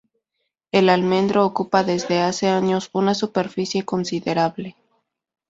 El almendro ocupa desde hace años una superficie considerable.